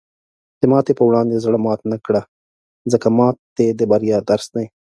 د ماتې په وړاندې زړۀ مات نه کړه، ځکه ماتې د بریا درس دی.